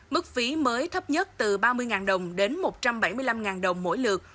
mức phí mới thấp nhất từ ba mươi đồng đến một trăm bảy mươi năm đồng mỗi lượt